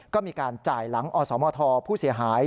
ก็มีการจ่ายหลังอสมทผู้เสียหาย